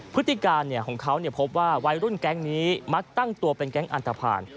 พฤติการของเขาพบว่าวัยรุ่นแก๊งนี้มักตั้งตัวเป็นแก๊งอันตภัณฑ์